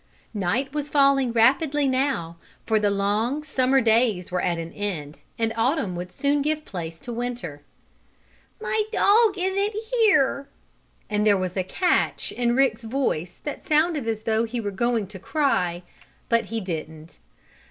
Night was falling rapidly now, for the long, summer days were at an end, and autumn would soon give place to winter. "My dog isn't here!" and there was a catch in Rick's voice that sounded as though he were going to cry; but he didn't.